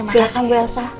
silahkan bu elsa